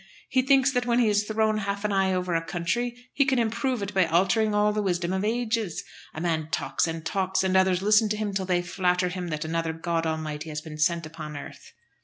He thinks that when he has thrown half an eye over a country he can improve it by altering all the wisdom of ages. A man talks and talks, and others listen to him till they flatter him that another God Almighty has been sent upon earth."